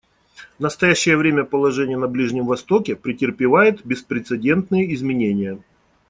В настоящее время положение на Ближнем Востоке претерпевает беспрецедентные изменения.